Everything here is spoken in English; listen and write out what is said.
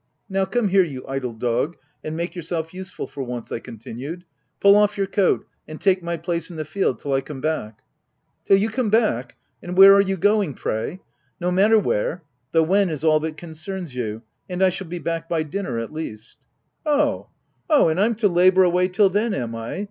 " Now come here you idle dog, and make your self useful for once," I continued— i( Pull off your coat, and take my place in the field till I come back/' " Till you come back ?— and where are you going, pray V 61 No matter — id here— the ichen is all that con cerns you ;— and I shall be back by dinner, at least/' "Oh ho! and I'm to labour away till then, am I